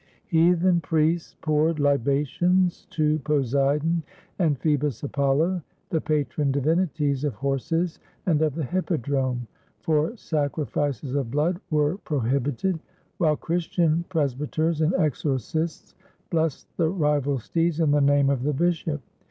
Heathen priests poured libations to Poseidon, and Phoebus Apollo, the patron divinities of horses and of the hippodrome — for sacrifices of blood were prohibited; while Christian presbyters and exorcists blessed the rival steeds in the name of the bishop.